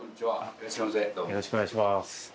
よろしくお願いします。